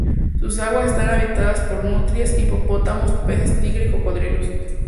Sus aguas están habitadas por nutrias, hipopótamos, peces tigre y cocodrilos.